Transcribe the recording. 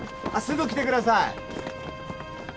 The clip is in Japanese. あっすぐ来てください。